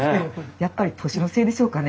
やっぱり年のせいでしょうかね